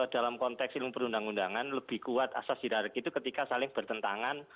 dalam konteks ilmu perundang undangan lebih kuat asas hidar itu ketika saling bertentangan